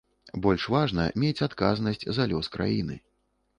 Больш важна мець адказнасць за лёс краіны.